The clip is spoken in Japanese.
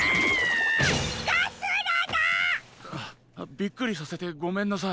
びっくりさせてごめんなさい。